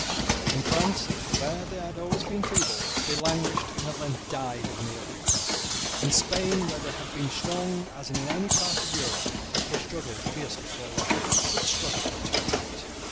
In France, where they had always been feeble, they languished, and at length died of mere weakness. In Spain, where they had been as strong as in any part of Europe, they struggled fiercely for life, but struggled too late.